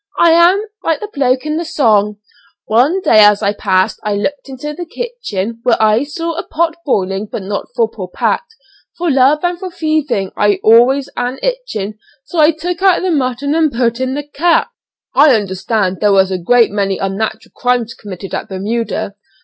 I am like the bloke in the song 'One day as I passed I looked into the kitchen, Where I saw a pot boiling, but not for poor Pat; For love and for thieving I'd always an itchin', So I took out the mutton and put in the cat.'" "I understand there was a great many unnatural crimes committed at Bermuda?"